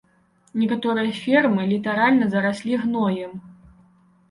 Некаторыя фермы літаральна зараслі гноем.